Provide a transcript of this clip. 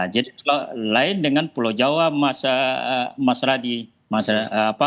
jadi lain dengan pulau jawa mas raditya